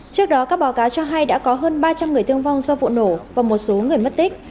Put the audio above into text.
trước đó các báo cáo cho hay đã có hơn ba trăm linh người thương vong do vụ nổ và một số người mất tích